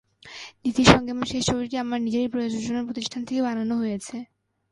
দিতির সঙ্গে আমার শেষ ছবিটি আমার নিজেরই প্রযোজনা প্রতিষ্ঠান থেকে বানানো হয়েছে।